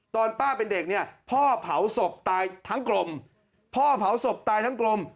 ตอนป้าเป็นเด็กเนี่ยพ่อเผาศพตายทั้งกลมพ่อเผาศพตายทั้งกลม